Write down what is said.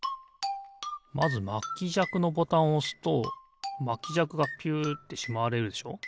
まずまきじゃくのボタンをおすとまきじゃくがピュッてしまわれるでしょ。